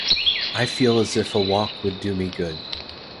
I feel as if a walk would do me good.